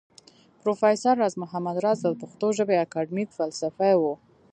پروفېسر راز محمد راز د پښتو ژبى اکېډمک فلسفى و